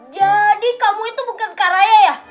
jadi kamu itu bukan karaya ya